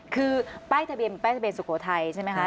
คือป้ายทะเบียนเป็นป้ายทะเบียนสุโขทัยใช่ไหมคะ